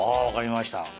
分かりました。